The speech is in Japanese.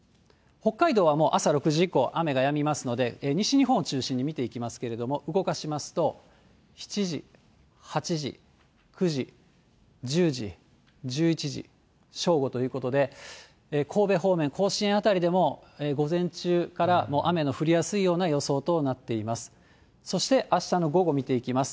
北海道はもう朝６時以降、雨がやみますので、西日本を中心に見ていきますけれども、動かしますと、７時、８時、９時、１０時、１１時、正午ということで、神戸方面、甲子園辺りでも、午前中からもう、雨の降りやすい予想となっています。